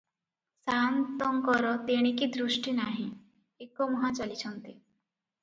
ସାଆନ୍ତଙ୍କର ତେଣିକି ଦୃଷ୍ଟି ନାହିଁ, ଏକମୁହାଁ ଚାଲିଛନ୍ତି ।